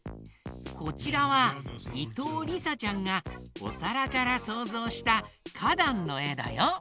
こちらはいとうりさちゃんが「おさら」からそうぞうしたかだんのえだよ！